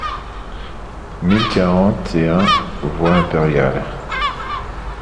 mille quarante et un voie Impériale